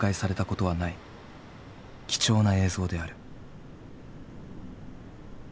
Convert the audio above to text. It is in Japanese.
貴重な映像である。